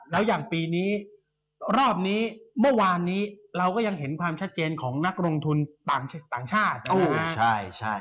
แล้วอย่างปีนี้รอบนี้เมื่อวานนี้เราก็ยังเห็นความชัดเจนของนักลงทุนต่างชาติถูกไหม